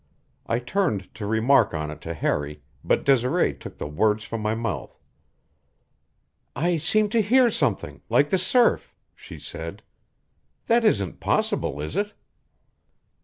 I turned to remark on it to Harry, but Desiree took the words from my mouth. "I seem to hear something like the surf," she said. "That isn't possible, is it?"